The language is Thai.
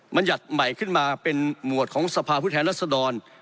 บรรยัติใหม่ขึ้นมาเป็นหมวดของสภาพุทธแหลศดร